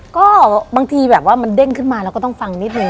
ก็บางทีแบบว่ามันเด้งขึ้นมาเราก็ต้องฟังนิดนึ